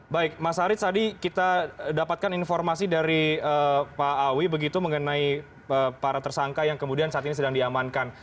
baik mas haris tadi kita dapatkan informasi dari pak awi begitu mengenai para tersangka yang kemudian saat ini sedang diamankan